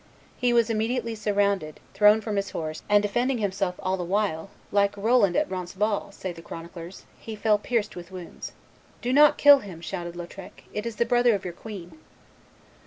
He was immediately surrounded, thrown from his horse, and defending himself all the while, "like Roland at Roncesvalles," say the chroniclers, he fell pierced with wounds. "Do not kill him," shouted Lautrec; "it is the brother of your queen."